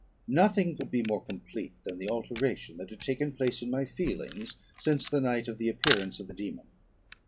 Nothing could be more complete than the alteration that had taken place in my feelings since the night of the appearance of the dæmon.